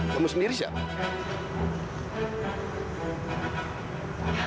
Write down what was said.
kamu sendiri siapa